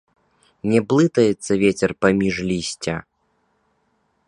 Не блытаецца вецер паміж лісця.